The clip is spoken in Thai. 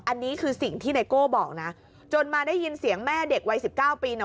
อันนี้คือสิ่งที่ไนโก้บอกนะจนมาได้ยินเสียงแม่เด็กวัยสิบเก้าปีน่ะ